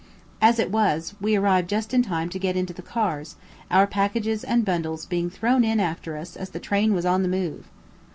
As it was, we arrived just in time to get into the cars, our packages and bundles being thrown in after us as the train was on the move.